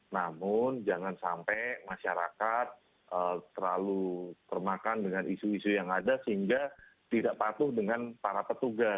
namun jangan sampai masyarakat terlalu termakan dengan isu isu yang ada sehingga tidak patuh dengan para petugas